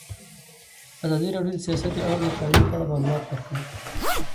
ازادي راډیو د سیاست د اړونده قوانینو په اړه معلومات ورکړي.